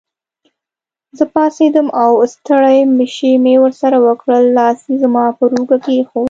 زه پاڅېدم او ستړي مشي مې ورسره وکړل، لاس یې زما پر اوږه کېښود.